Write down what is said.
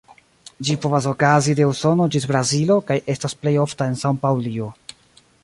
Ĝi povas okazi de Usono ĝis Brazilo kaj estas plej ofta en San-Paŭlio.